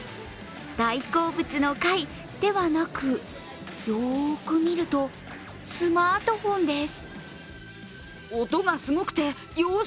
大好物の貝ではなく、よく見るとスマートフォンです。